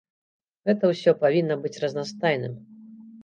Гэта ўсё павінна быць разнастайным.